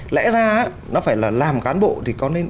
lẽ ra á nó phải là làm cán bộ thì có nên ở biệt phủ